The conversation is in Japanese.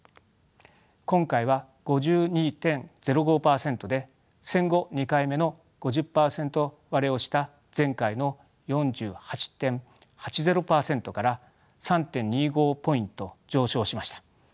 今回は５２．０５％で戦後２回目の５０％割れをした前回の４８．８０％から３．２５ポイント上昇しました。